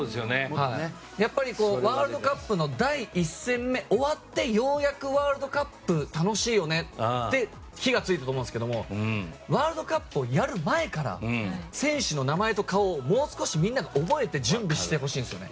やっぱりワールドカップの第１戦目終わってようやくワールドカップ楽しいよね！って火が付いたと思うんですけれどもワールドカップをやる前から選手の名前と顔をもう少しみんなが覚えて準備してほしいんですよね。